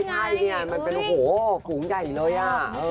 ใช่เนี่ยมันเป็นโอ้โหฝูงใหญ่เลยอ่ะ